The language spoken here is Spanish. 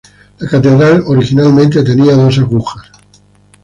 La catedral originalmente tenía dos agujas.